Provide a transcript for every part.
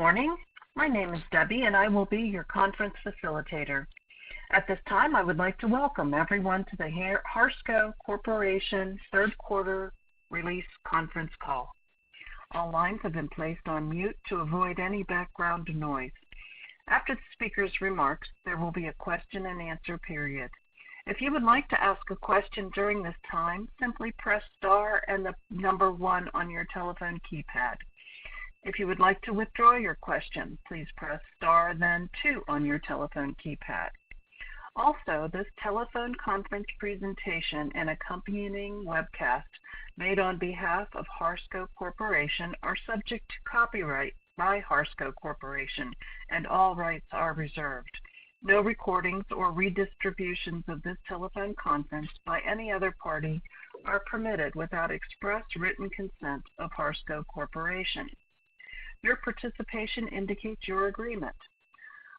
Good morning. My name is Debbie, and I will be your conference facilitator. At this time, I would like to welcome everyone to the Harsco Corporation third quarter release conference call. All lines have been placed on mute to avoid any background noise. After the speaker's remarks, there will be a question-and-answer period. If you would like to ask a question during this time, simply press star and the number one on your telephone keypad. If you would like to withdraw your question, please press Star then two on your telephone keypad. Also, this telephone conference presentation and accompanying webcast made on behalf of Harsco Corporation are subject to copyright by Harsco Corporation, and all rights are reserved. No recordings or redistributions of this telephone conference by any other party are permitted without express written consent of Harsco Corporation. Your participation indicates your agreement.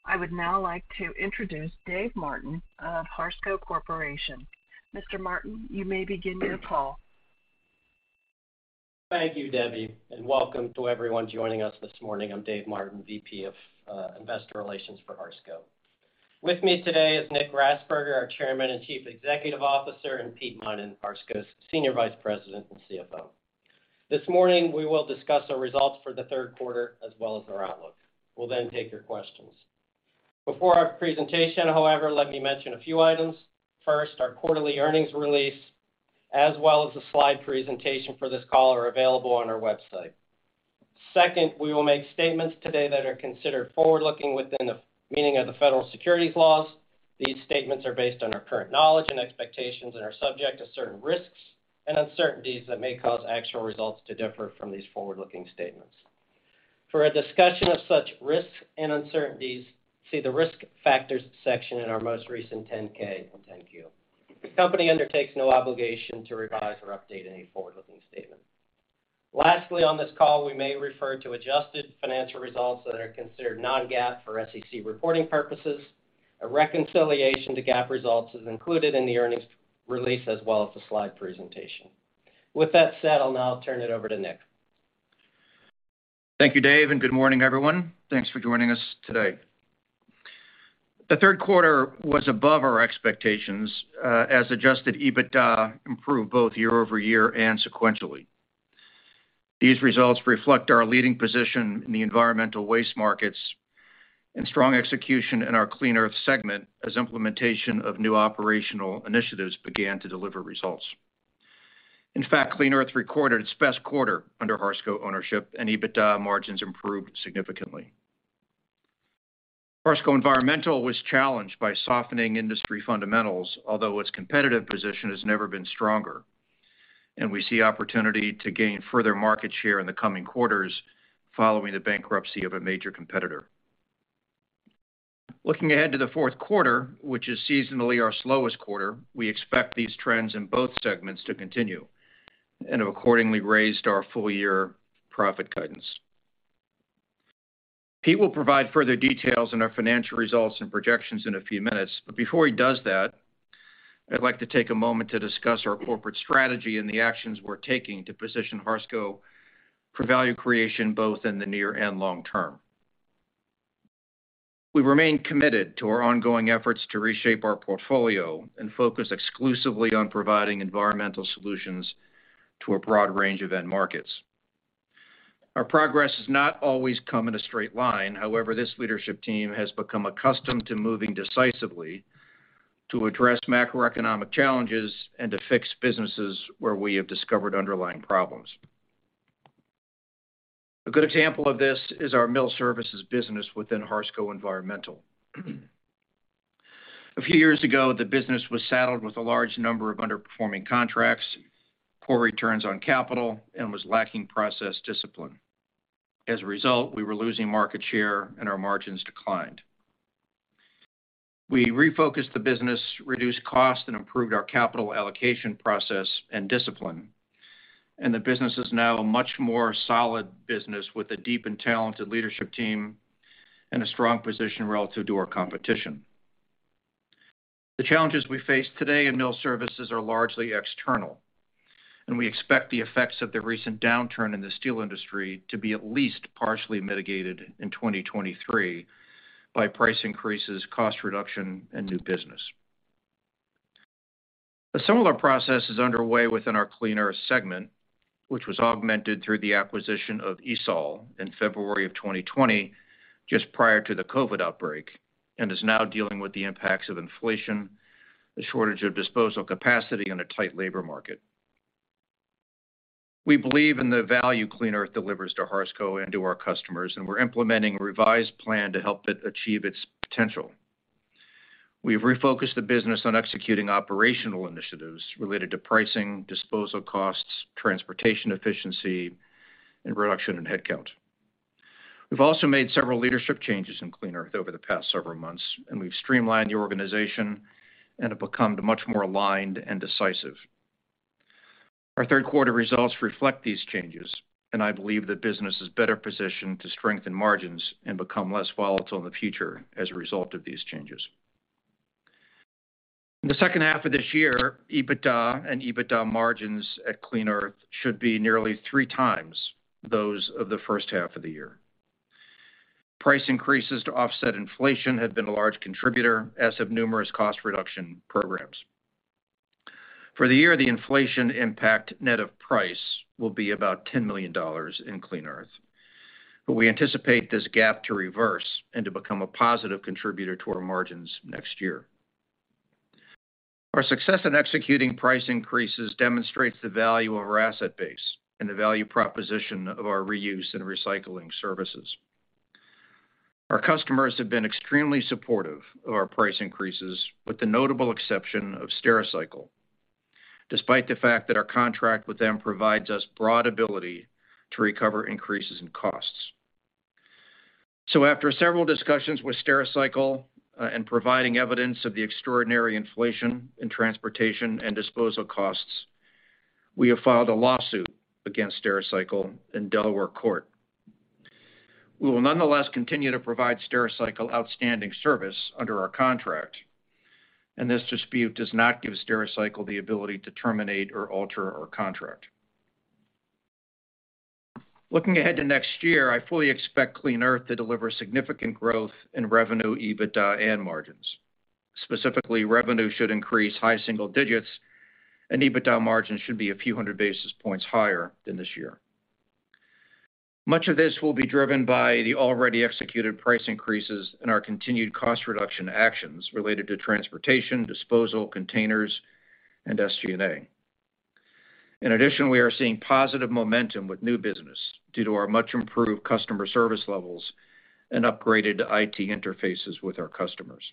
I would now like to introduce Dave Martin of Harsco Corporation. Mr. Martin, you may begin your call. Thank you, Debbie, and welcome to everyone joining us this morning. I'm Dave Martin, VP of Investor Relations for Harsco. With me today is Nick Grasberger, our Chairman and Chief Executive Officer. This morning, we will discuss our results for the third quarter as well as our outlook. We'll then take your questions. Before our presentation, however, let me mention a few items. First, our quarterly earnings release, as well as the slide presentation for this call, are available on our website. Second, we will make statements today that are considered forward-looking within the meaning of the federal securities laws. These statements are based on our current knowledge and expectations and are subject to certain risks and uncertainties that may cause actual results to differ from these forward-looking statements. For a discussion of such risks and uncertainties, see the Risk Factors section in our most recent 10-K and 10-Q. The company undertakes no obligation to revise or update any forward-looking statement. Lastly, on this call, we may refer to adjusted financial results that are considered non-GAAP for SEC reporting purposes. A reconciliation to GAAP results is included in the earnings release as well as the slide presentation. With that said, I'll now turn it over to Nick. Thank you, Dave, and good morning, everyone. Thanks for joining us today. The third quarter was above our expectations, as adjusted EBITDA improved both year-over-year and sequentially. These results reflect our leading position in the environmental waste markets and strong execution in our Clean Earth segment as implementation of new operational initiatives began to deliver results. In fact, Clean Earth recorded its best quarter under Harsco ownership, and EBITDA margins improved significantly. Harsco Environmental was challenged by softening industry fundamentals, although its competitive position has never been stronger, and we see opportunity to gain further market share in the coming quarters following the bankruptcy of a major competitor. Looking ahead to the fourth quarter, which is seasonally our slowest quarter, we expect these trends in both segments to continue and have accordingly raised our full year profit guidance. Pete will provide further details on our financial results and projections in a few minutes, but before he does that, I'd like to take a moment to discuss our corporate strategy and the actions we're taking to position Harsco for value creation, both in the near and long term. We remain committed to our ongoing efforts to reshape our portfolio and focus exclusively on providing environmental solutions to a broad range of end markets. Our progress has not always come in a straight line. However, this leadership team has become accustomed to moving decisively to address macroeconomic challenges and to fix businesses where we have discovered underlying problems. A good example of this is our Mill Services business within Harsco Environmental. A few years ago, the business was saddled with a large number of underperforming contracts, poor returns on capital, and was lacking process discipline. As a result, we were losing market share, and our margins declined. We refocused the business, reduced cost, and improved our capital allocation process and discipline. The business is now a much more solid business with a deep and talented leadership team and a strong position relative to our competition. The challenges we face today in Mill Services are largely external, and we expect the effects of the recent downturn in the steel industry to be at least partially mitigated in 2023 by price increases, cost reduction, and new business. A similar process is underway within our Clean Earth segment, which was augmented through the acquisition of ESOL in February of 2020, just prior to the COVID outbreak, and is now dealing with the impacts of inflation, the shortage of disposal capacity, and a tight labor market. We believe in the value Clean Earth delivers to Harsco and to our customers, and we're implementing a revised plan to help it achieve its potential. We've refocused the business on executing operational initiatives related to pricing, disposal costs, transportation efficiency, and reduction in headcount. We've also made several leadership changes in Clean Earth over the past several months, and we've streamlined the organization and have become much more aligned and decisive. Our third quarter results reflect these changes, and I believe the business is better positioned to strengthen margins and become less volatile in the future as a result of these changes. In the second half of this year, EBITDA and EBITDA margins at Clean Earth should be nearly three times those of the first half of the year. Price increases to offset inflation have been a large contributor, as have numerous cost reduction programs. For the year, the inflation impact net of price will be about $10 million in Clean Earth. We anticipate this gap to reverse and to become a positive contributor to our margins next year. Our success in executing price increases demonstrates the value of our asset base and the value proposition of our reuse and recycling services. Our customers have been extremely supportive of our price increases, with the notable exception of Stericycle, despite the fact that our contract with them provides us broad ability to recover increases in costs. After several discussions with Stericycle, and providing evidence of the extraordinary inflation in transportation and disposal costs, we have filed a lawsuit against Stericycle in Delaware court. We will nonetheless continue to provide Stericycle outstanding service under our contract, and this dispute does not give Stericycle the ability to terminate or alter our contract. Looking ahead to next year, I fully expect Clean Earth to deliver significant growth in revenue, EBITDA and margins. Specifically, revenue should increase high single digits and EBITDA margins should be a few hundred basis points higher than this year. Much of this will be driven by the already executed price increases and our continued cost reduction actions related to transportation, disposal, containers, and SG&A. In addition, we are seeing positive momentum with new business due to our much improved customer service levels and upgraded IT interfaces with our customers.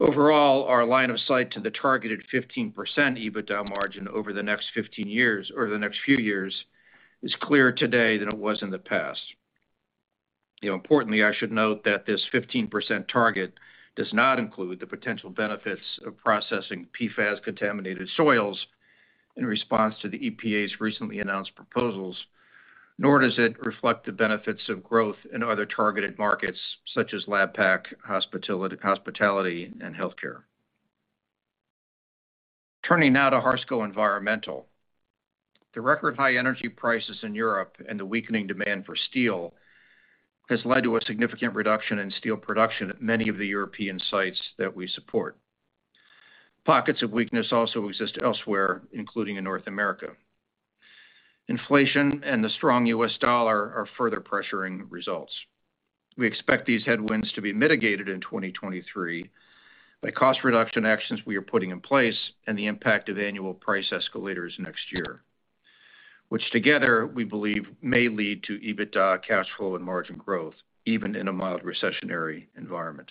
Overall, our line of sight to the targeted 15% EBITDA margin over the next 15 years or the next few years is clearer today than it was in the past. You know, importantly, I should note that this 15% target does not include the potential benefits of processing PFAS contaminated soils in response to the EPA's recently announced proposals, nor does it reflect the benefits of growth in other targeted markets such as lab pack, hospitality and healthcare. Turning now to Harsco Environmental. The record high energy prices in Europe and the weakening demand for steel has led to a significant reduction in steel production at many of the European sites that we support. Pockets of weakness also exist elsewhere, including in North America. Inflation and the strong U.S. dollar are further pressuring results. We expect these headwinds to be mitigated in 2023 by cost reduction actions we are putting in place and the impact of annual price escalators next year, which together we believe may lead to EBITDA cash flow and margin growth even in a mild recessionary environment.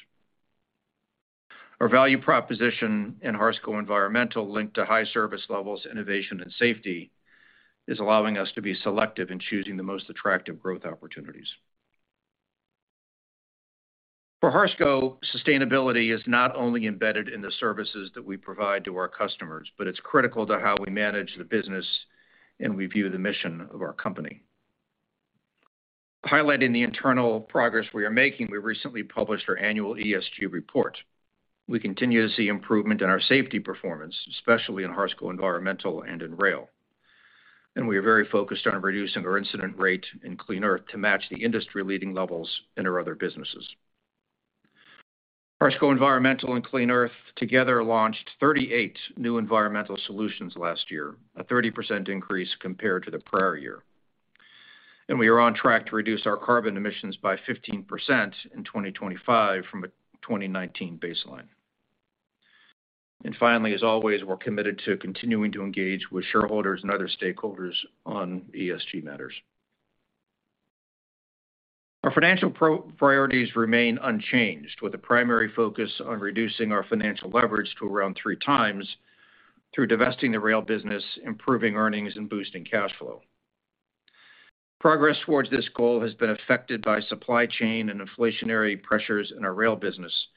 Our value proposition in Harsco Environmental link to high service levels, innovation and safety is allowing us to be selective in choosing the most attractive growth opportunities. For Harsco, sustainability is not only embedded in the services that we provide to our customers, but it's critical to how we manage the business and we view the mission of our company. Highlighting the internal progress we are making, we recently published our annual ESG report. We continue to see improvement in our safety performance, especially in Harsco Environmental and in rail. We are very focused on reducing our incident rate in Clean Earth to match the industry-leading levels in our other businesses. Harsco Environmental and Clean Earth together launched 38 new environmental solutions last year, a 30% increase compared to the prior year. We are on track to reduce our carbon emissions by 15% in 2025 from a 2019 baseline. Finally, as always, we're committed to continuing to engage with shareholders and other stakeholders on ESG matters. Our financial priorities remain unchanged, with a primary focus on reducing our financial leverage to around 3x through divesting the rail business, improving earnings and boosting cash flow. Progress towards this goal has been affected by supply chain and inflationary pressures in our rail business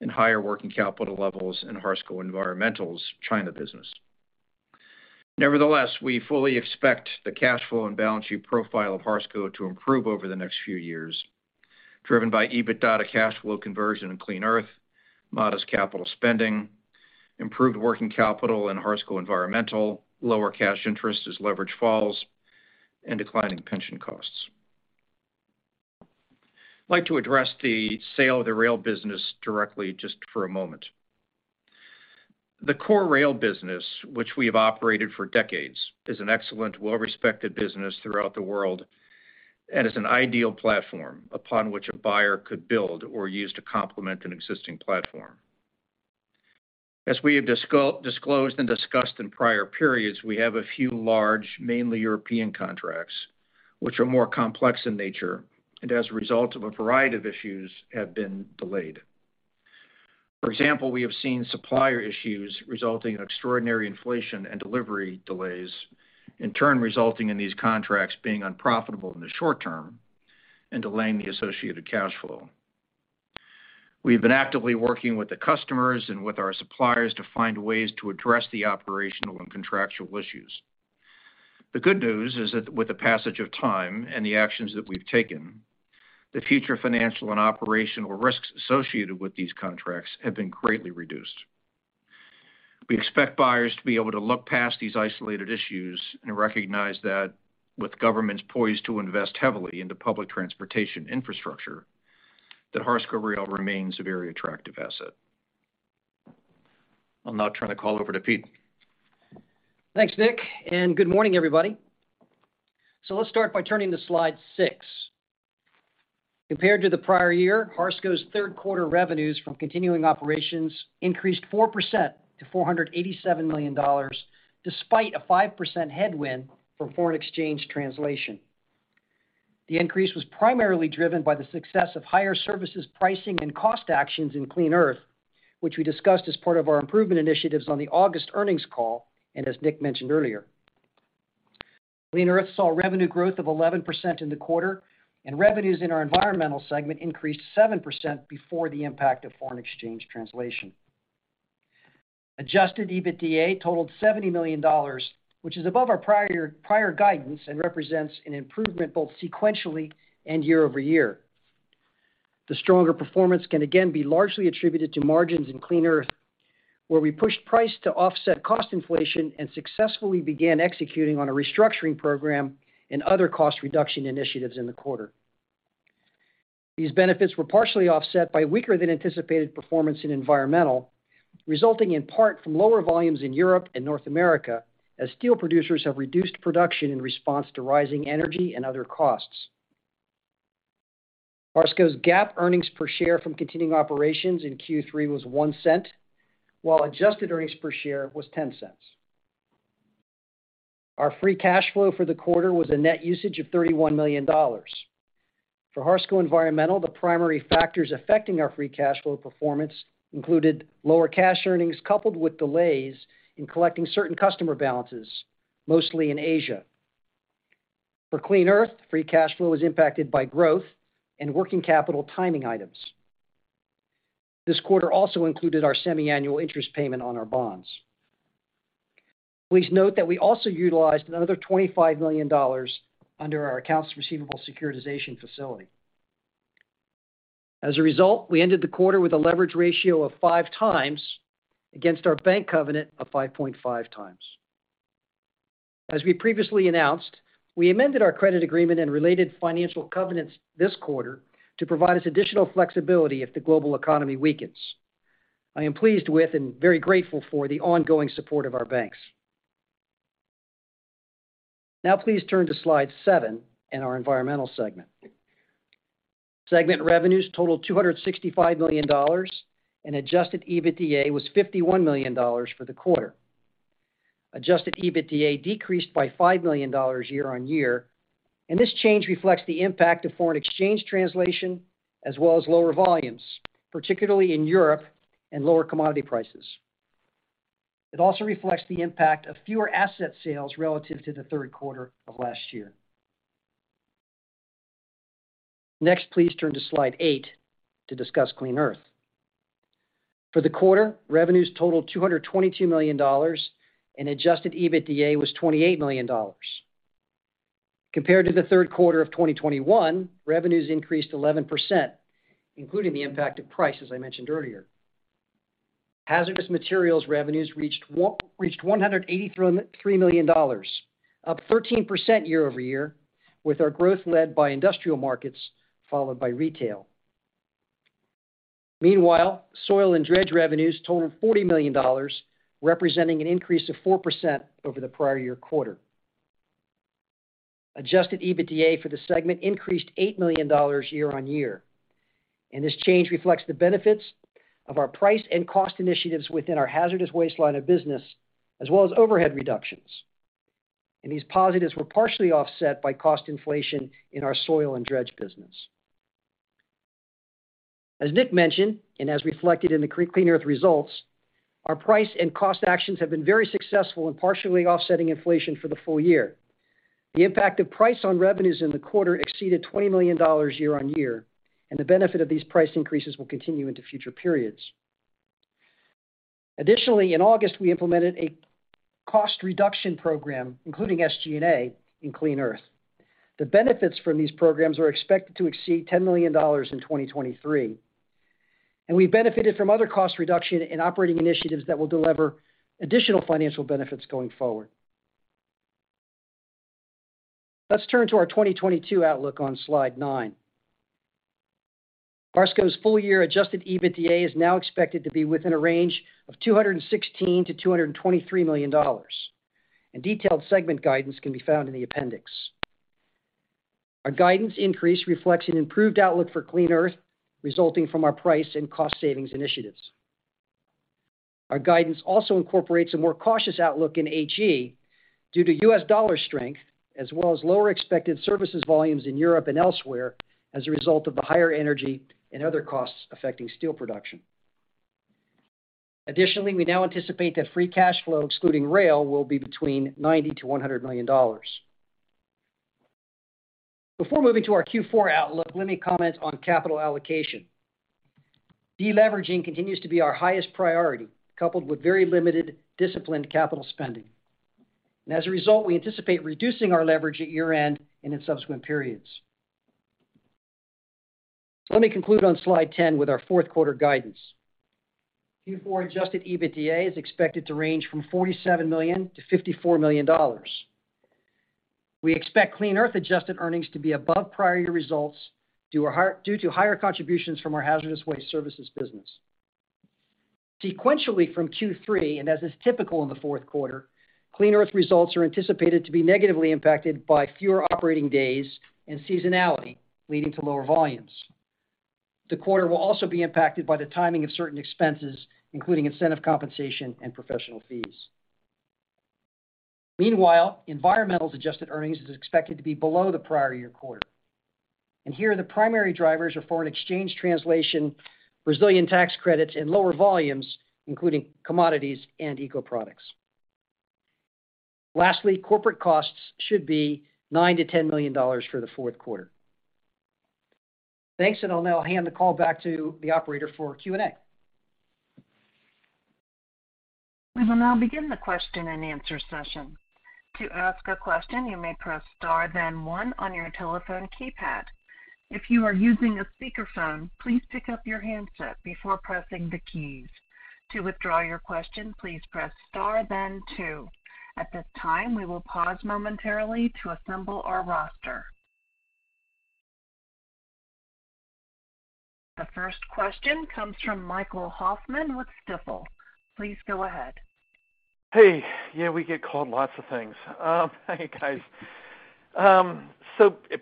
and higher working capital levels in Harsco Environmental's China business. Nevertheless, we fully expect the cash flow and balance sheet profile of Harsco to improve over the next few years, driven by EBITDA to cash flow conversion in Clean Earth, modest capital spending, improved working capital in Harsco Environmental, lower cash interest as leverage falls, and declining pension costs. I'd like to address the sale of the rail business directly just for a moment. The core rail business, which we have operated for decades, is an excellent, well-respected business throughout the world and is an ideal platform upon which a buyer could build or use to complement an existing platform. As we have disclosed and discussed in prior periods, we have a few large, mainly European contracts which are more complex in nature and as a result of a variety of issues have been delayed. For example, we have seen supplier issues resulting in extraordinary inflation and delivery delays, in turn resulting in these contracts being unprofitable in the short term and delaying the associated cash flow. We've been actively working with the customers and with our suppliers to find ways to address the operational and contractual issues. The good news is that with the passage of time and the actions that we've taken. The future financial and operational risks associated with these contracts have been greatly reduced. We expect buyers to be able to look past these isolated issues and recognize that with governments poised to invest heavily into public transportation infrastructure, that Harsco Rail remains a very attractive asset. I'll now turn the call over to Pete. Thanks, Nick, and good morning, everybody. Let's start by turning to slide six. Compared to the prior year, Harsco's third quarter revenues from continuing operations increased 4% to $487 million, despite a 5% headwind from foreign exchange translation. The increase was primarily driven by the success of higher services pricing and cost actions in Clean Earth, which we discussed as part of our improvement initiatives on the August earnings call, and as Nick mentioned earlier. Clean Earth saw revenue growth of 11% in the quarter, and revenues in our environmental segment increased 7% before the impact of foreign exchange translation. Adjusted EBITDA totaled $70 million, which is above our prior guidance and represents an improvement both sequentially and year-over-year. The stronger performance can again be largely attributed to margins in Clean Earth, where we pushed price to offset cost inflation and successfully began executing on a restructuring program and other cost reduction initiatives in the quarter. These benefits were partially offset by weaker than anticipated performance in Environmental, resulting in part from lower volumes in Europe and North America as steel producers have reduced production in response to rising energy and other costs. Harsco's GAAP earnings per share from continuing operations in Q3 was $0.01, while adjusted earnings per share was $0.10. Our free cash flow for the quarter was a net usage of $31 million. For Harsco Environmental, the primary factors affecting our free cash flow performance included lower cash earnings coupled with delays in collecting certain customer balances, mostly in Asia. For Clean Earth, free cash flow was impacted by growth and working capital timing items. This quarter also included our semiannual interest payment on our bonds. Please note that we also utilized another $25 million under our accounts receivable securitization facility. As a result, we ended the quarter with a leverage ratio of 5x against our bank covenant of 5.5x. As we previously announced, we amended our credit agreement and related financial covenants this quarter to provide us additional flexibility if the global economy weakens. I am pleased with and very grateful for the ongoing support of our banks. Now please turn to slide seven in our environmental segment. Segment revenues totaled $265 million, and adjusted EBITDA was $51 million for the quarter. Adjusted EBITDA decreased by $5 million year-over-year, and this change reflects the impact of foreign exchange translation as well as lower volumes, particularly in Europe and lower commodity prices. It also reflects the impact of fewer asset sales relative to the third quarter of last year. Next, please turn to slide eight to discuss Clean Earth. For the quarter, revenues totaled $222 million, and adjusted EBITDA was $28 million. Compared to the third quarter of 2021, revenues increased 11%, including the impact of price, as I mentioned earlier. Hazardous materials revenues reached $183 million, up 13% year-over-year, with our growth led by industrial markets followed by retail. Meanwhile, soil and dredge revenues totaled $40 million, representing an increase of 4% over the prior year quarter. Adjusted EBITDA for the segment increased $8 million year-on-year, and this change reflects the benefits of our price and cost initiatives within our hazardous waste line of business, as well as overhead reductions. These positives were partially offset by cost inflation in our soil and dredge business. As Nick mentioned, and as reflected in the Clean Earth results, our price and cost actions have been very successful in partially offsetting inflation for the full year. The impact of price on revenues in the quarter exceeded $20 million year-on-year, and the benefit of these price increases will continue into future periods. Additionally, in August, we implemented a cost reduction program, including SG&A in Clean Earth. The benefits from these programs are expected to exceed $10 million in 2023, and we benefited from other cost reduction in operating initiatives that will deliver additional financial benefits going forward. Let's turn to our 2022 outlook on slide nine. Harsco's full-year adjusted EBITDA is now expected to be within a range of $216 million-$223 million. Detailed segment guidance can be found in the appendix. Our guidance increase reflects an improved outlook for Clean Earth resulting from our price and cost savings initiatives. Our guidance also incorporates a more cautious outlook in HE due to U.S. dollar strength as well as lower expected services volumes in Europe and elsewhere as a result of the higher energy and other costs affecting steel production. Additionally, we now anticipate that free cash flow, excluding rail, will be between $90 million-$100 million. Before moving to our Q4 outlook, let me comment on capital allocation. Deleveraging continues to be our highest priority, coupled with very limited disciplined capital spending. As a result, we anticipate reducing our leverage at year-end and in subsequent periods. Let me conclude on slide 10 with our fourth quarter guidance. Q4 adjusted EBITDA is expected to range from $47 million-$54 million. We expect Clean Earth adjusted earnings to be above prior year results due to higher contributions from our hazardous waste services business. Sequentially from Q3, and as is typical in the fourth quarter, Clean Earth results are anticipated to be negatively impacted by fewer operating days and seasonality, leading to lower volumes. The quarter will also be impacted by the timing of certain expenses, including incentive compensation and professional fees. Meanwhile, Environmental adjusted earnings is expected to be below the prior year quarter, and here the primary drivers are foreign exchange translation, Brazilian tax credits, and lower volumes, including commodities and ecoproducts. Lastly, corporate costs should be $9 million-$10 million for the fourth quarter. Thanks. I'll now hand the call back to the operator for Q&A. We will now begin the question-and-answer session. To ask a question, you may press star then one on your telephone keypad. If you are using a speakerphone, please pick up your handset before pressing the keys. To withdraw your question, please press Star then two. At this time, we will pause momentarily to assemble our roster. The first question comes from Michael Hoffman with Stifel. Please go ahead. Hey. Yeah, we get called lots of things. Hi, guys.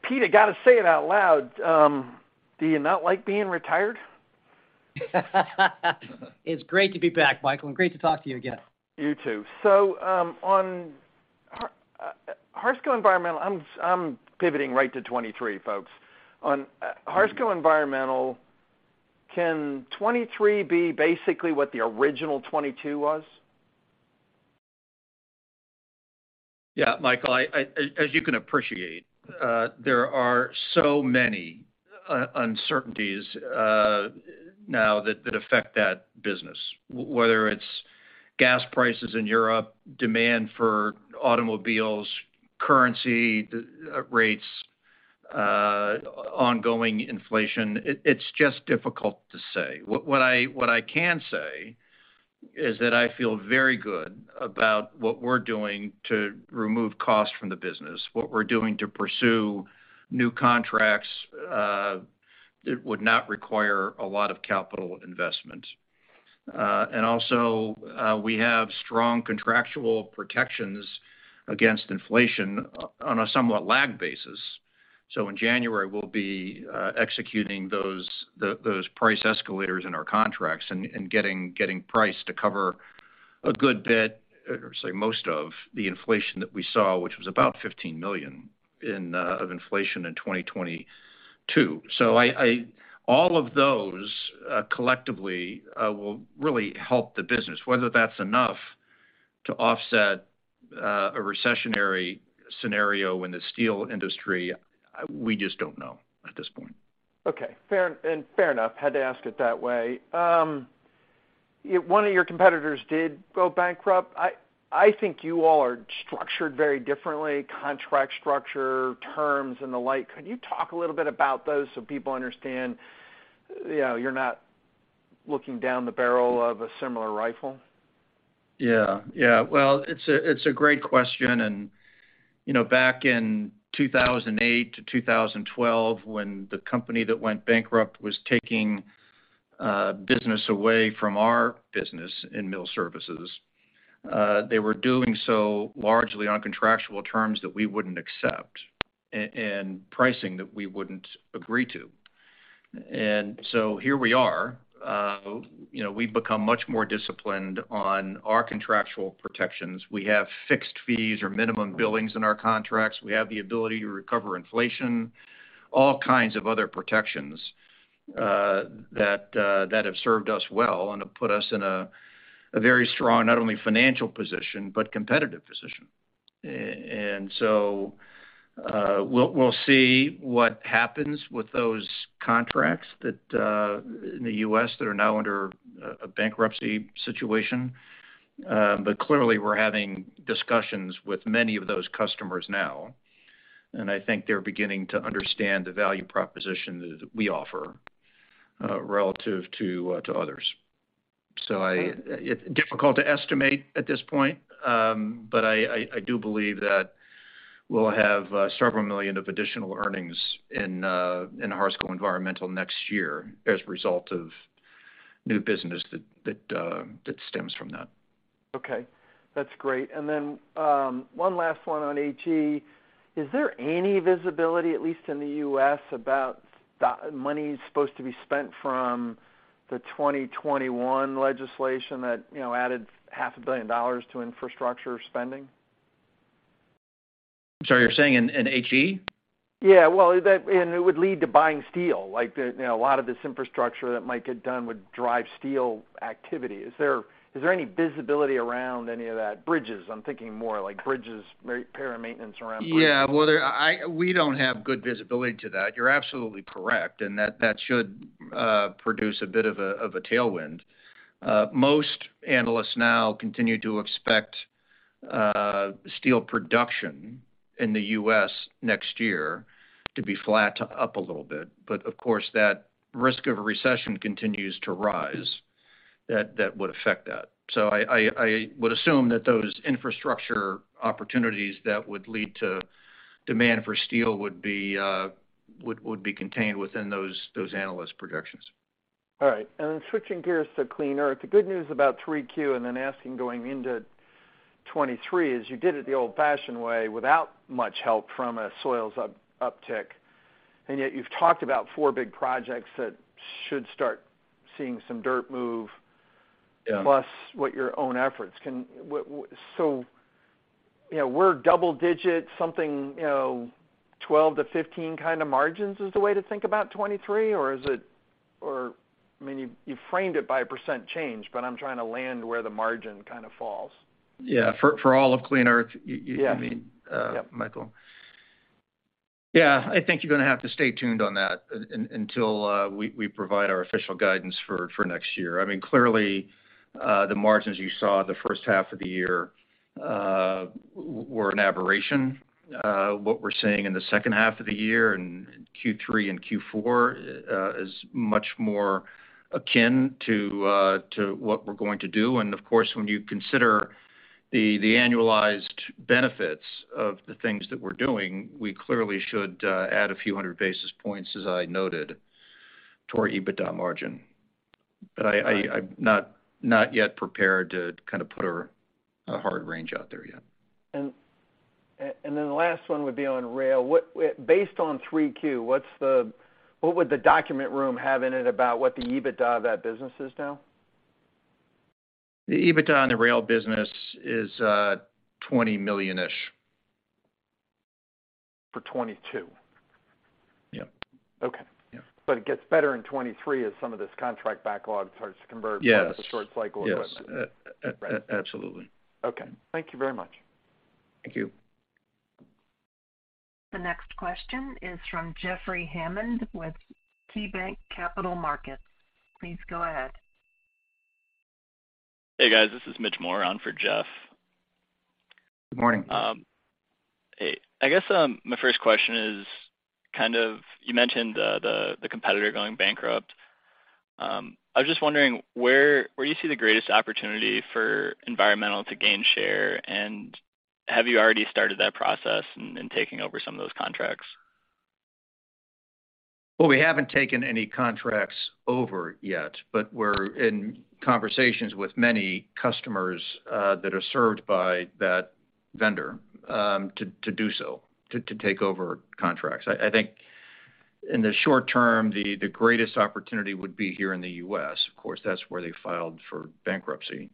Pete, got to say it out loud. Do you not like being retired? It's great to be back, Michael, and great to talk to you again. You too. On Harsco Environmental, I'm pivoting right to 2023, folks. On Harsco Environmental, can 2023 be basically what the original 2022 was? Yeah, Michael, as you can appreciate, there are so many uncertainties now that affect that business. Whether it's gas prices in Europe, demand for automobiles, currency rates, ongoing inflation, it's just difficult to say. What I can say is that I feel very good about what we're doing to remove costs from the business, what we're doing to pursue new contracts that would not require a lot of capital investment. And also, we have strong contractual protections against inflation on a somewhat lag basis. In January, we'll be executing those price escalators in our contracts and getting price to cover a good bit or say most of the inflation that we saw, which was about $15 million of inflation in 2022. All of those collectively will really help the business. Whether that's enough to offset a recessionary scenario in the steel industry, we just don't know at this point. Okay. Fair enough. Had to ask it that way. One of your competitors did go bankrupt. I think you all are structured very differently, contract structure, terms and the like. Could you talk a little bit about those so people understand, you know, you're not looking down the barrel of a similar rifle? Yeah. Well, it's a great question. You know, back in 2008-2012, when the company that went bankrupt was taking business away from our business in Mill Services, they were doing so largely on contractual terms that we wouldn't accept and pricing that we wouldn't agree to. Here we are, you know, we've become much more disciplined on our contractual protections. We have fixed fees or minimum billings in our contracts. We have the ability to recover inflation, all kinds of other protections that that have served us well and have put us in a very strong not only financial position but competitive position. We'll see what happens with those contracts that in the U.S. that are now under a bankruptcy situation. Clearly, we're having discussions with many of those customers now, and I think they're beginning to understand the value proposition that we offer relative to others. It's difficult to estimate at this point, but I do believe that we'll have several million of additional earnings in Harsco Environmental next year as a result of new business that stems from that. Okay, that's great. One last one on HE. Is there any visibility, at least in the U.S., about the money supposed to be spent from the 2021 legislation that, you know, added half a billion dollars to infrastructure spending? Sorry, you're saying in HE? Yeah. Well, it would lead to buying steel. Like the, you know, a lot of this infrastructure that might get done would drive steel activity. Is there any visibility around any of that? Bridges, I'm thinking more like bridges, repair and maintenance around bridges. Yeah. Well, we don't have good visibility to that. You're absolutely correct. That should produce a bit of a tailwind. Most analysts now continue to expect steel production in the U.S. next year to be flat to up a little bit. Of course, that risk of a recession continues to rise. That would affect that. I would assume that those infrastructure opportunities that would lead to demand for steel would be contained within those analyst projections. All right. Then switching gears to Clean Earth, the good news about 3Q and then asking going into 2023 is you did it the old-fashioned way without much help from a soils uptick. Yet you've talked about 4 big projects that should start seeing some dirt move- Yeah. plus what your own efforts. You know, we're double digit something, you know, 12%-15% kind of margins is the way to think about 2023? Or is it? Or I mean, you framed it by a percent change, but I'm trying to land where the margin kind of falls. Yeah. For all of Clean Earth, you mean? Yeah. Michael? Yeah. I think you're gonna have to stay tuned on that until we provide our official guidance for next year. I mean, clearly, the margins you saw the first half of the year were an aberration. What we're seeing in the second half of the year in Q3 and Q4 is much more akin to what we're going to do. Of course, when you consider the annualized benefits of the things that we're doing, we clearly should add a few hundred basis points, as I noted, to our EBITDA margin. I'm not yet prepared to kind of put a hard range out there yet. The last one would be on rail. Based on 3Q, what would the data room have in it about what the EBITDA of that business is now? The EBITDA on the rail business is $20 million-ish. For 2022? Yeah. Okay. Yeah. It gets better in 2023 as some of this contract backlog starts to convert. Yes. to the short cycle equipment. Yes. Absolutely. Okay. Thank you very much. Thank you. The next question is from Jeffrey Hammond with KeyBanc Capital Markets. Please go ahead. Hey, guys. This is Mitchell Moore on for Jeff. Good morning. Hey. I guess my first question is kind of, you mentioned the competitor going bankrupt. I was just wondering where you see the greatest opportunity for environmental to gain share, and have you already started that process in taking over some of those contracts? Well, we haven't taken any contracts over yet, but we're in conversations with many customers that are served by that vendor to do so, to take over contracts. I think in the short term, the greatest opportunity would be here in the U.S. Of course, that's where they filed for bankruptcy.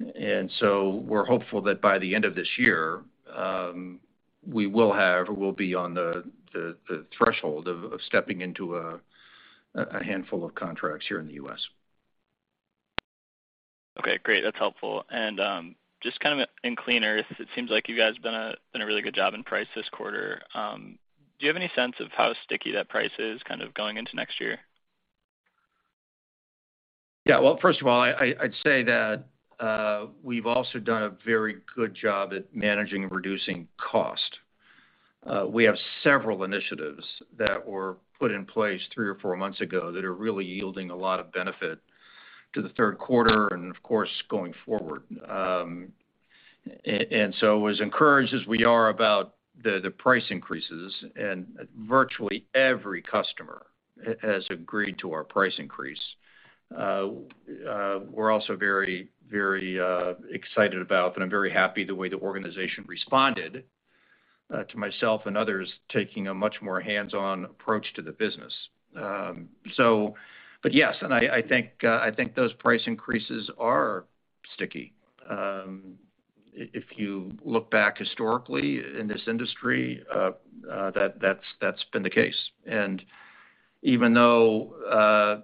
We're hopeful that by the end of this year, we will have or we'll be on the threshold of stepping into a handful of contracts here in the U.S. Okay, great. That's helpful. Just kind of in Clean Earth, it seems like you guys done a really good job in pricing this quarter. Do you have any sense of how sticky that price is kind of going into next year? Yeah. Well, first of all, I'd say that we've also done a very good job at managing and reducing cost. We have several initiatives that were put in place three or four months ago that are really yielding a lot of benefit to the third quarter and of course, going forward. As encouraged as we are about the price increases, and virtually every customer has agreed to our price increase, we're also very excited about and I'm very happy the way the organization responded to myself and others taking a much more hands-on approach to the business. I think those price increases are sticky. If you look back historically in this industry, that's been the case. Even though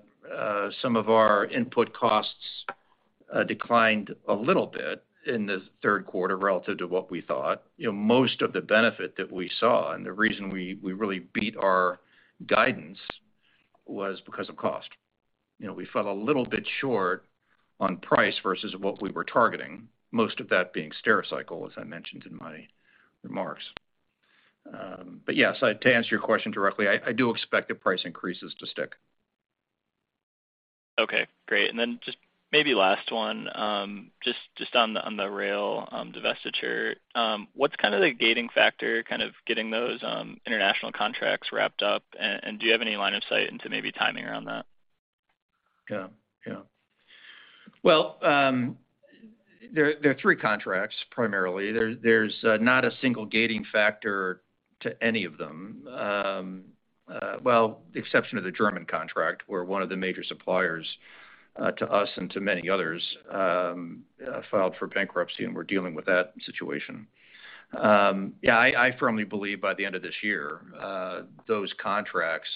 some of our input costs declined a little bit in the third quarter relative to what we thought, you know, most of the benefit that we saw and the reason we really beat our guidance was because of cost. You know, we fell a little bit short on price versus what we were targeting, most of that being Stericycle, as I mentioned in my remarks. Yes, to answer your question directly, I do expect the price increases to stick. Okay, great. Just maybe last one, just on the rail divestiture, what's kind of the gating factor kind of getting those international contracts wrapped up? Do you have any line of sight into maybe timing around that? Yeah. Yeah. Well, there are three contracts, primarily. There's not a single gating factor to any of them. Well, exception of the German contract, where one of the major suppliers to us and to many others filed for bankruptcy, and we're dealing with that situation. Yeah, I firmly believe by the end of this year, those contracts.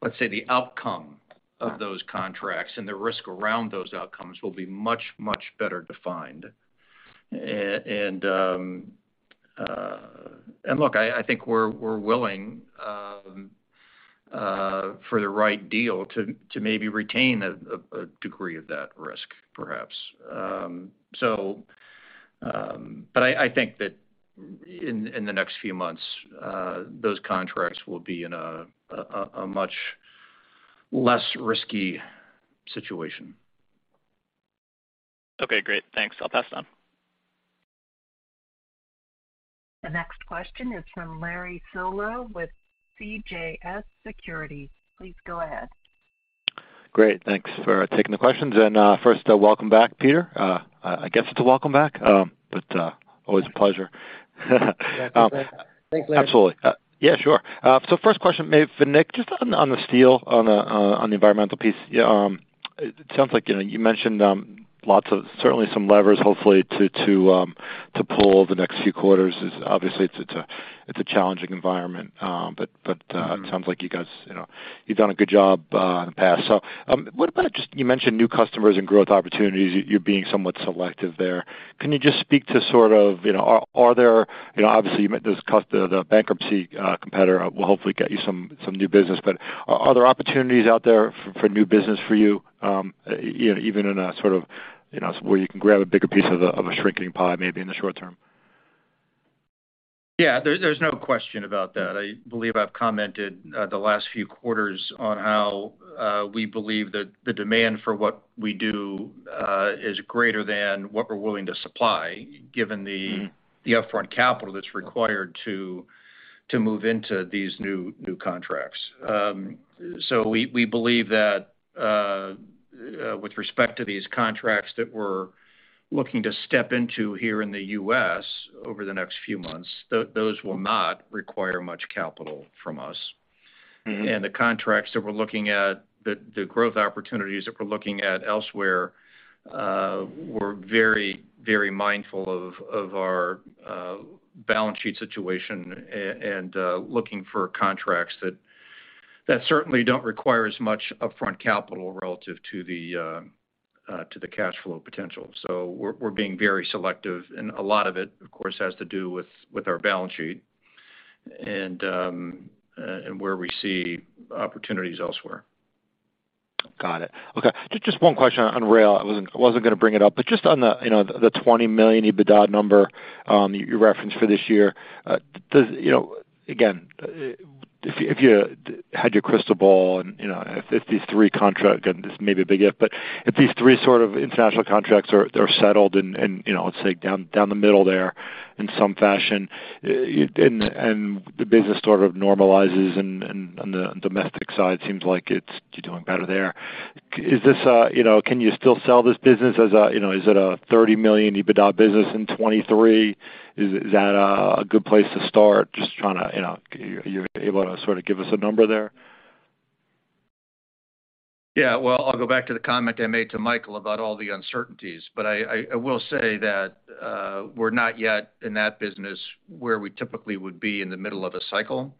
Let's say the outcome of those contracts and the risk around those outcomes will be much better defined. Look, I think we're willing for the right deal to maybe retain a degree of that risk perhaps. I think that in the next few months, those contracts will be in a much less risky situation. Okay, great. Thanks. I'll pass it on. The next question is from Larry Solow with CJS Securities. Please go ahead. Great. Thanks for taking the questions. First, welcome back, Pete. I guess it's a welcome back, but always a pleasure. Thanks, Larry. Absolutely. Yeah, sure. First question maybe for Nick, just on the steel, on the environmental piece. It sounds like, you know, you mentioned certainly some levers, hopefully, to pull the next few quarters. Obviously, it's a challenging environment. It sounds like you guys, you know, you've done a good job in the past. What about just. You mentioned new customers and growth opportunities. You're being somewhat selective there. Can you just speak to sort of, you know, are there. You know, obviously, the bankruptcy competitor will hopefully get you some new business. Are there opportunities out there for new business for you know, even in a sort of, you know, where you can grab a bigger piece of a shrinking pie, maybe in the short term? Yeah. There's no question about that. I believe I've commented the last few quarters on how we believe that the demand for what we do is greater than what we're willing to supply, given the Mm-hmm The upfront capital that's required to move into these new contracts. We believe that, with respect to these contracts that we're looking to step into here in the U.S. over the next few months, those will not require much capital from us. Mm-hmm. The contracts that we're looking at, the growth opportunities that we're looking at elsewhere, we're very, very mindful of our balance sheet situation and looking for contracts that certainly don't require as much upfront capital relative to the cash flow potential. We're being very selective, and a lot of it, of course, has to do with our balance sheet and where we see opportunities elsewhere. Got it. Okay, just one question on rail. I wasn't gonna bring it up, but just on the, you know, the $20 million EBITDA number you referenced for this year. Does you know, again, if you had your crystal ball and, you know, if these three contracts. Again, this may be a big if, but if these three sort of international contracts are, they're settled and, you know, let's say, down the middle there in some fashion, and the business sort of normalizes and on the domestic side, seems like you're doing better there. Is this, you know, can you still sell this business as a, you know, is it a $30 million EBITDA business in 2023? Is that a good place to start? Just trying to, you know. Are you able to sort of give us a number there? Yeah. Well, I'll go back to the comment I made to Michael about all the uncertainties. I will say that we're not yet in that business where we typically would be in the middle of a cycle.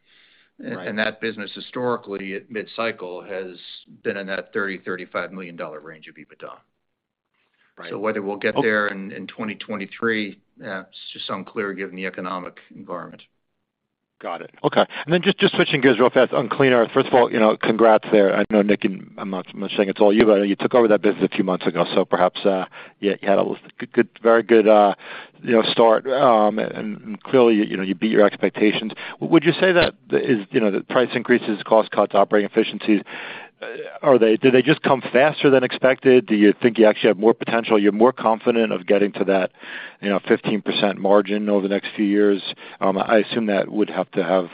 Right. That business historically at mid-cycle has been in that $30 million-$35 million range of EBITDA. Right. Whether we'll get there in 2023, it's just unclear given the economic environment. Got it. Okay. Just switching gears real fast on Clean Earth. First of all, you know, congrats there. I know Nick and— I'm not saying it's all you, but you took over that business a few months ago, so perhaps you had a good, very good, you know, start. Clearly, you know, you beat your expectations. Would you say that is, you know, the price increases, cost cuts, operating efficiencies, are they— did they just come faster than expected? Do you think you actually have more potential? You're more confident of getting to that, you know, 15% margin over the next few years? I assume that would have to have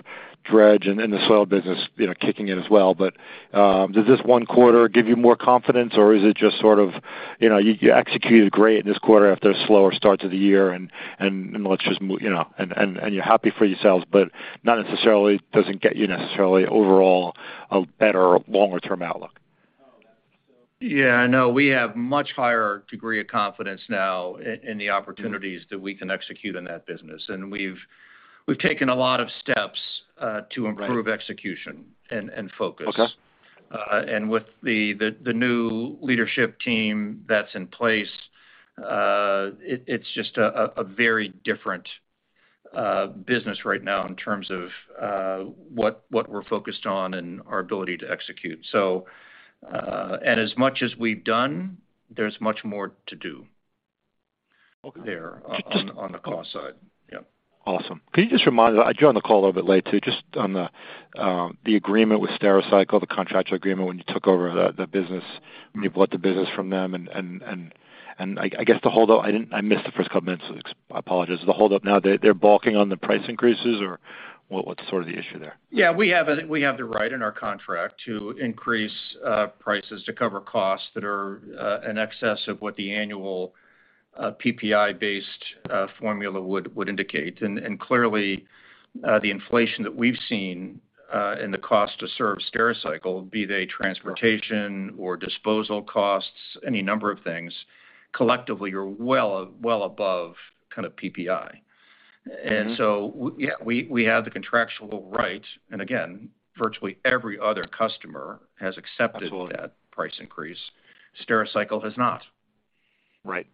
dredge and the soil business, you know, kicking in as well. Does this one quarter give you more confidence, or is it just sort of, you know, you executed great this quarter after a slower start to the year and let's just, you know, and you're happy for yourselves, but not necessarily doesn't get you necessarily overall a better longer term outlook? Yeah. No, we have much higher degree of confidence now in the opportunities that we can execute in that business. We've taken a lot of steps- Right to improve execution and focus. Okay. With the new leadership team that's in place, it's just a very different business right now in terms of what we're focused on and our ability to execute. As much as we've done, there's much more to do- Okay there on the cost side. Yeah. Awesome. Can you just remind us? I joined the call a little bit late too, just on the agreement with Stericycle, the contractual agreement when you took over the business, when you bought the business from them. I guess the hold up, I missed the first couple of minutes, so I apologize. The hold up now, they're balking on the price increases or what's sort of the issue there? Yeah. We have the right in our contract to increase prices to cover costs that are in excess of what the annual PPI-based formula would indicate. Clearly, the inflation that we've seen in the cost to serve Stericycle, be they transportation or disposal costs, any number of things, collectively are well above kind of PPI. Mm-hmm. Yeah, we have the contractual right, and again, virtually every other customer has accepted. Absolutely that price increase. Stericycle has not. Right.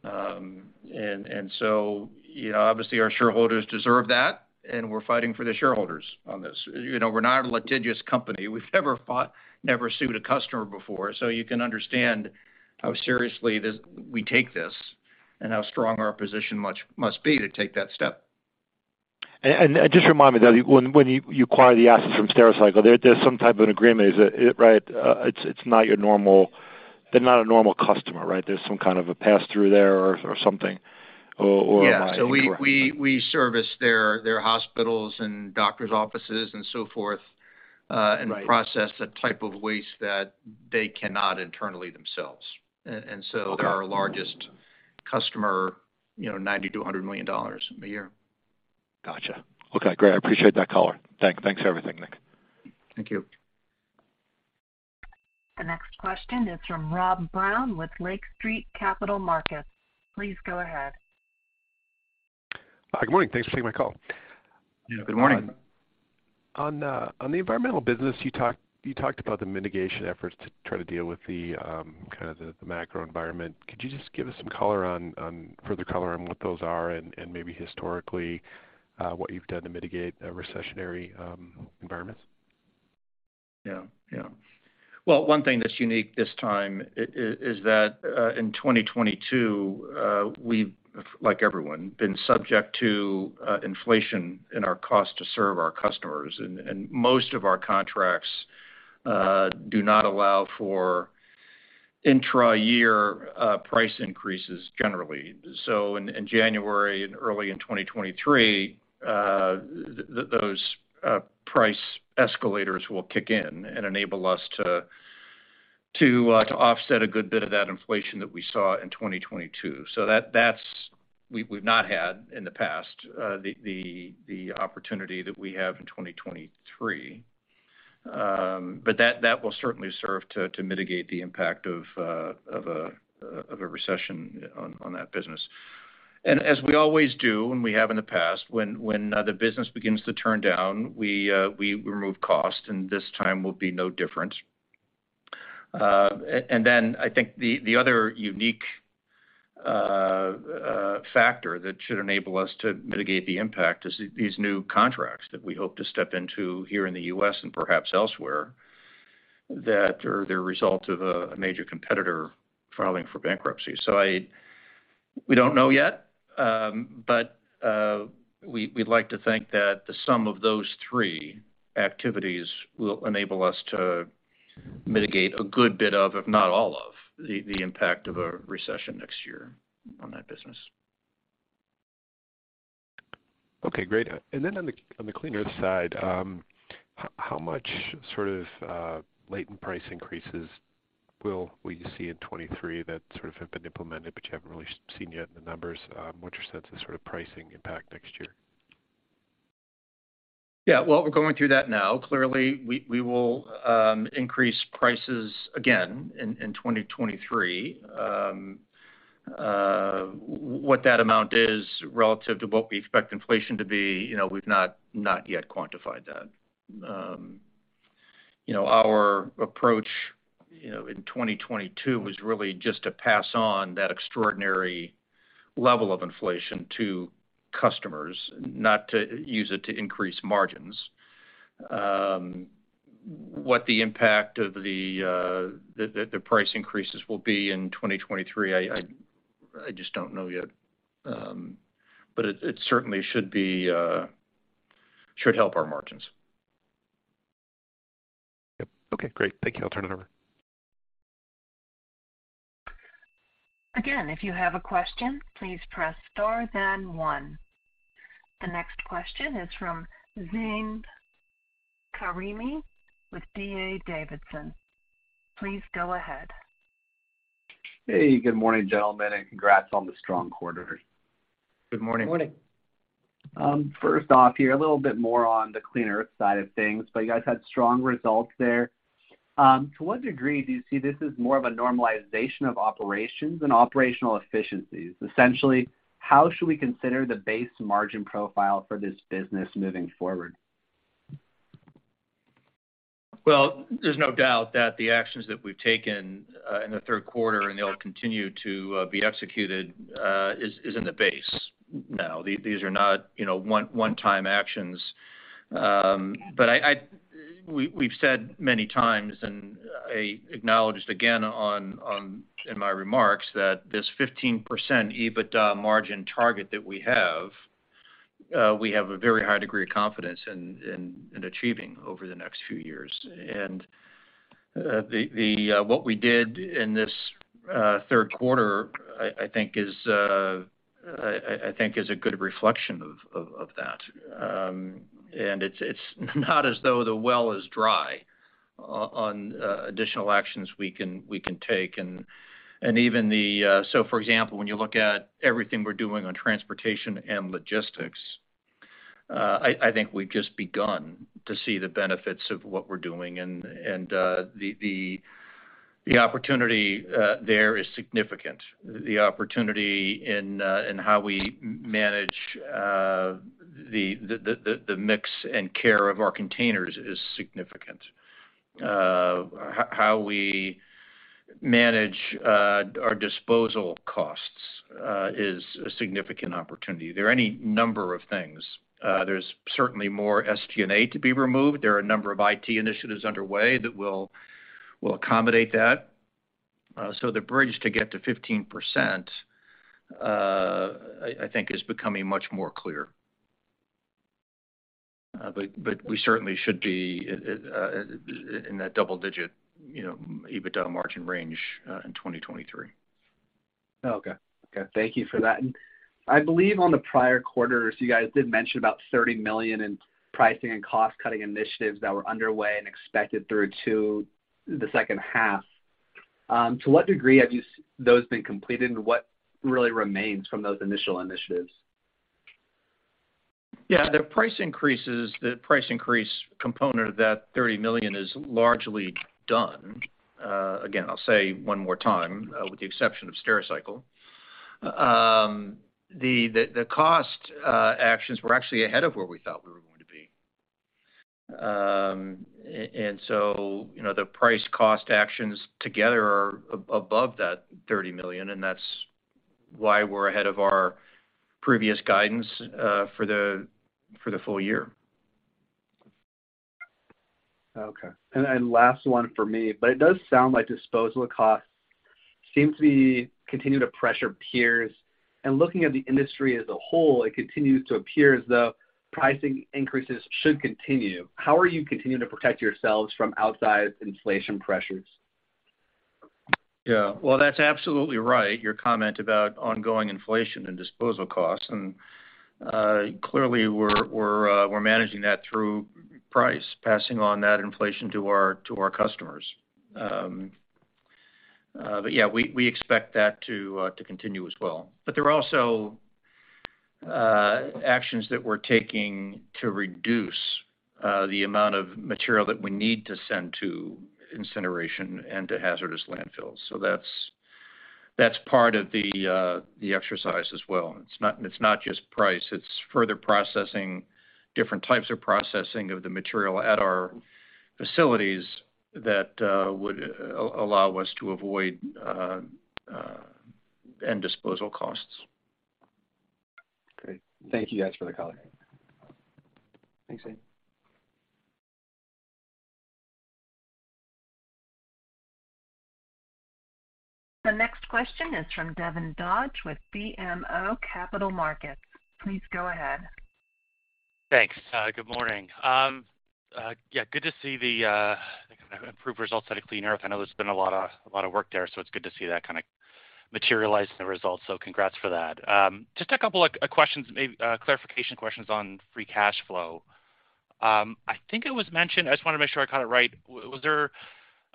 You know, obviously our shareholders deserve that, and we're fighting for the shareholders on this. You know, we're not a litigious company. We've never fought, never sued a customer before, so you can understand how seriously we take this and how strong our position must be to take that step. Just remind me that when you acquire the assets from Stericycle, there's some type of agreement. Is it right? It's not your normal. They're not a normal customer, right? There's some kind of a pass-through there or something, or am I incorrect? Yeah. We service their hospitals and doctor's offices and so forth. Right Process the type of waste that they cannot internally themselves. Okay... they're our largest customer, you know, $90-$100 million a year. Gotcha. Okay, great. I appreciate that color. Thanks for everything, Nick. Thank you. The next question is from Rob Brown with Lake Street Capital Markets. Please go ahead. Hi. Good morning. Thanks for taking my call. Yeah, good morning. On the environmental business, you talked about the mitigation efforts to try to deal with the kind of macro environment. Could you just give us some color on further color on what those are and maybe historically what you've done to mitigate a recessionary environments? Yeah. Yeah. Well, one thing that's unique this time is that, in 2022, we've, like everyone, been subject to inflation in our cost to serve our customers, and most of our contracts do not allow for intra-year price increases generally. In January and early in 2023, those price escalators will kick in and enable us to offset a good bit of that inflation that we saw in 2022. That's... We've not had in the past the opportunity that we have in 2023. That will certainly serve to mitigate the impact of a recession on that business. As we always do, and we have in the past, when the business begins to turn down, we remove costs, and this time will be no different. I think the other unique factor that should enable us to mitigate the impact is these new contracts that we hope to step into here in the U.S. and perhaps elsewhere, that are the result of a major competitor filing for bankruptcy. We don't know yet, but we'd like to think that the sum of those three activities will enable us to mitigate a good bit of, if not all of, the impact of a recession next year on that business. Okay, great. Then on the Clean Earth side, how much sort of latent price increases will you see in 2023 that sort of have been implemented but you haven't really seen yet in the numbers? What's your sense of sort of pricing impact next year? Yeah. Well, we're going through that now. Clearly, we will increase prices again in 2023. What that amount is relative to what we expect inflation to be, you know, we've not yet quantified that. You know, our approach, you know, in 2022 was really just to pass on that extraordinary level of inflation to customers, not to use it to increase margins. What the impact of the price increases will be in 2023, I just don't know yet. It certainly should help our margins. Yep. Okay, great. Thank you. I'll turn it over. Again, if you have a question, please press star then one. The next question is from Zane Karimi with D.A. Davidson. Please go ahead. Hey, good morning, gentlemen, and congrats on the strong quarter. Good morning. Morning. First off here, a little bit more on the Clean Earth side of things, but you guys had strong results there. To what degree do you see this as more of a normalization of operations and operational efficiencies? Essentially, how should we consider the base margin profile for this business moving forward? Well, there's no doubt that the actions that we've taken in the third quarter, and they'll continue to be executed, is in the base now. These are not, you know, one time actions. We've said many times, and I acknowledged again in my remarks that this 15% EBITDA margin target that we have, we have a very high degree of confidence in achieving over the next few years. What we did in this third quarter, I think is a good reflection of that. It's not as though the well is dry. On additional actions we can take. Even the For example, when you look at everything we're doing on transportation and logistics, I think we've just begun to see the benefits of what we're doing and the opportunity there is significant. The opportunity in how we manage the mix and care of our containers is significant. How we manage our disposal costs is a significant opportunity. There are any number of things. There's certainly more SG&A to be removed. There are a number of IT initiatives underway that will accommodate that. The bridge to get to 15% I think is becoming much more clear. But we certainly should be in that double-digit EBITDA margin range in 2023. Okay. Okay, thank you for that. I believe on the prior quarters, you guys did mention about $30 million in pricing and cost-cutting initiatives that were underway and expected through to the second half. To what degree have those been completed, and what really remains from those initial initiatives? Yeah. The price increase component of that $30 million is largely done. Again, I'll say one more time, with the exception of Stericycle. The cost actions were actually ahead of where we thought we were going to be. You know, the price cost actions together are above that $30 million, and that's why we're ahead of our previous guidance for the full year. Okay. Last one for me. It does sound like disposal costs seem to be continuing to pressure peers. Looking at the industry as a whole, it continues to appear as though pricing increases should continue. How are you continuing to protect yourselves from outside inflation pressures? Yeah. Well, that's absolutely right, your comment about ongoing inflation and disposal costs. Clearly, we're managing that through price, passing on that inflation to our customers. Yeah, we expect that to continue as well. There are also actions that we're taking to reduce the amount of material that we need to send to incineration and to hazardous landfills. That's part of the exercise as well. It's not just price, it's further processing different types of processing of the material at our facilities that would allow us to avoid end disposal costs. Great. Thank you guys for the call. Thanks. The next question is from Devin Dodge with BMO Capital Markets. Please go ahead. Thanks. Good morning. Yeah, good to see the kind of improved results out of Clean Earth. I know there's been a lot of work there, so it's good to see that kind of materialize in the results. Congrats for that. Just a couple of questions, maybe clarification questions on free cash flow. I think it was mentioned, I just wanna make sure I got it right, was there?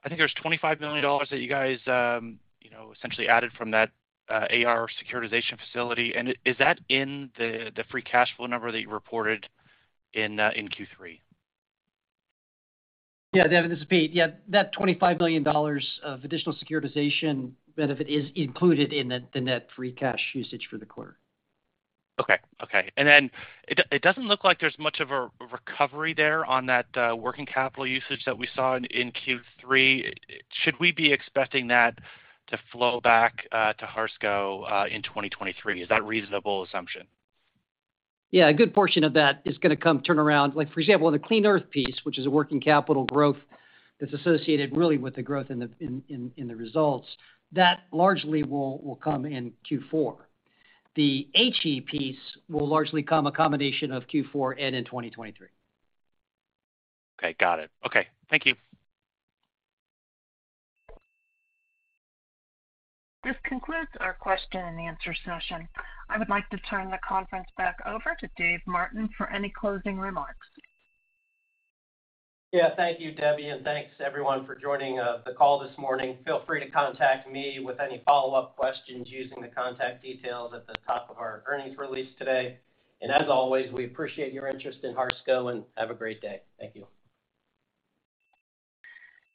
I think there was $25 million that you guys, you know, essentially added from that AR securitization facility. Is that in the free cash flow number that you reported in Q3? Yeah, Devin, this is Pete. Yeah, that $25 million of additional securitization benefit is included in the net free cash usage for the quarter. It doesn't look like there's much of a recovery there on that working capital usage that we saw in Q3. Should we be expecting that to flow back to Harsco in 2023? Is that reasonable assumption? Yeah, a good portion of that is gonna turn around. Like, for example, on the Clean Earth piece, which is a working capital growth that's associated really with the growth in the results, that largely will come in Q4. The HE piece will largely come from a combination of Q4 and in 2023. Okay, got it. Okay, thank you. This concludes our question and answer session. I would like to turn the conference back over to Dave Martin for any closing remarks. Yeah, thank you, Debbie. Thanks to everyone for joining the call this morning. Feel free to contact me with any follow-up questions using the contact details at the top of our earnings release today. As always, we appreciate your interest in Harsco, and have a great day. Thank you.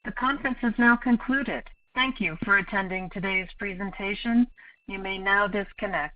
The conference has now concluded. Thank you for attending today's presentation. You may now disconnect.